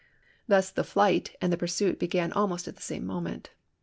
Thus the flight and the pursuit began almost at the same moment.